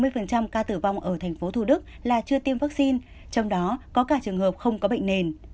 ba mươi ca tử vong ở thành phố thủ đức là chưa tiêm vaccine trong đó có cả trường hợp không có bệnh nền